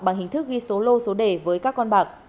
bằng hình thức ghi số lô số đề với các con bạc